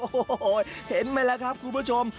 โอ้โหเห็นไหมล่ะครับคุณผู้ชม